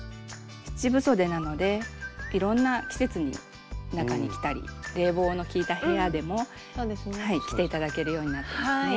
七分そでなのでいろんな季節に中に着たり冷房の効いた部屋でも着て頂けるようになってますね。